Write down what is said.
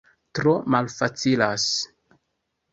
Tro malfacilas